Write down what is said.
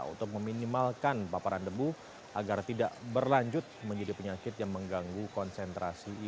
untuk meminimalkan paparan debu agar tidak berlanjut menjadi penyakit yang mengganggu konsentrasi